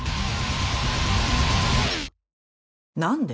何で？